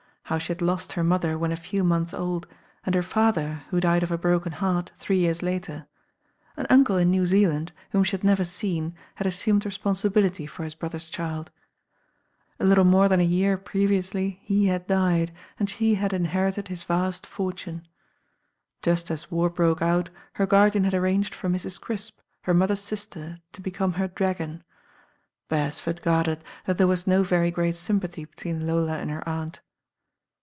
How she had lost her mother when a few months old, and her father, who died of a broken heart, three years later. An uncle in New Zealand, whom she had never seen, had assumed responsibility for his brother's child. A little more than a year previously he had died, and she had inherited his vast fortune. THE DANGER LINE 197 Just as war broke out her guardian had arranged for Mrs. Crisp, her mother's sister, to become her "dragon." Beresford gathered that there was no very great sympathy between Lola and her aunt.